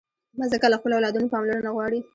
مځکه له خپلو اولادونو پاملرنه غواړي.